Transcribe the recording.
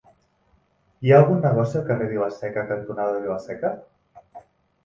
Hi ha algun negoci al carrer Vila-seca cantonada Vila-seca?